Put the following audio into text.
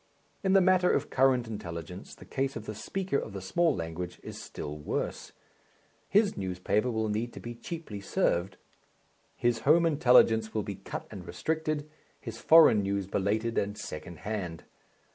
In the matter of current intelligence the case of the speaker of the small language is still worse. His newspaper will need to be cheaply served, his home intelligence will be cut and restricted, his foreign news belated and second hand.